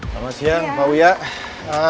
selamat siang pak wuyah